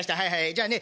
じゃあね